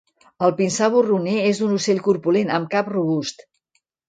El pinsà borroner és un ocell corpulent amb cap robust.